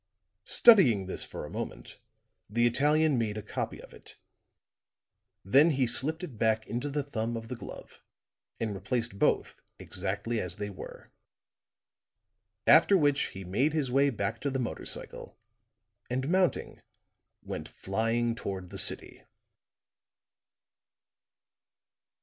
Studying this for a moment, the Italian made a copy of it. Then he slipped it back into the thumb of the glove and replaced both exactly as they were; after which he made his way back to the motor cycle, and mounting, went flying toward the city.